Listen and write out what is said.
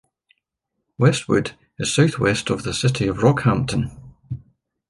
Westwood is south west of the city of Rockhampton.